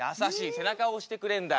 背中を押してくれんだ。